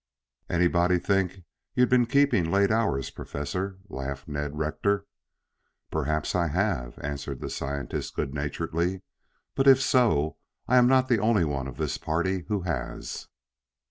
"Anybody'd think you'd been keeping late hours, Professor," laughed Ned Rector. "Perhaps I have," answered the scientist good naturedly. "But if so, I am not the only one of this party who has."